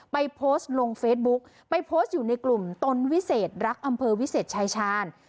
ไปโพสต์ลงเฟซบุ๊กไปโพสต์อยู่ในกลุ่มตนวิเศษรักอำเภอวิเศษชายชาญ